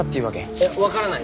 いやわからない。